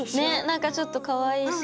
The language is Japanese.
なんかちょっとかわいいし。